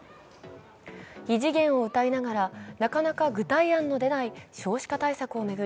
異次元をうたいながらなかなか具体案の出ない少子化対策を巡り